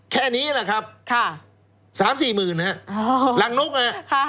แค่นี้นะครับค่ะสามสี่หมื่นนะครับอ๋อรังนกค่ะ